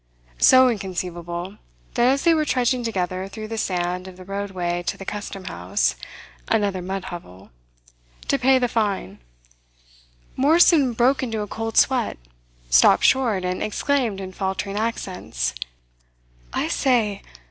So inconceivable that as they were trudging together through the sand of the roadway to the custom house another mud hovel to pay the fine, Morrison broke into a cold sweat, stopped short, and exclaimed in faltering accents: "I say!